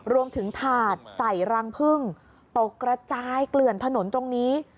ถาดใส่รังพึ่งตกกระจายเกลื่อนถนนตรงนี้